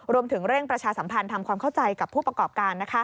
เร่งประชาสัมพันธ์ทำความเข้าใจกับผู้ประกอบการ